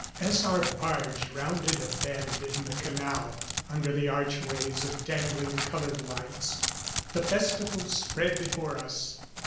As our barge rounded a bend in the canal, under the archways of dangling colored lights, the festival spread before us.